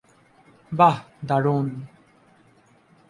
বাহ, দারুন!